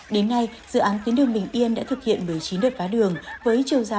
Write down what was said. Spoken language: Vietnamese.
đến nay dự án tuyến đường bình yên đã thực hiện một mươi chín đợt vá đường